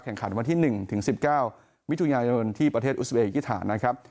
แข่งขันวันที่๑ถึง๑๙มิถุนายนที่ประเทศอุตสุริยฐานนะครับ